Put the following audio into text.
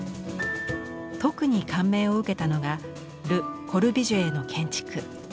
特に感銘を受けたのがル・コルビュジエの建築。